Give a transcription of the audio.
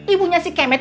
ibu nya si kemet